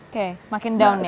oke semakin down ya